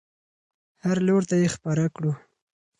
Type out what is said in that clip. هر لور ته یې خپره کړو.